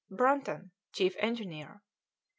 Brunton, chief engineer; 9.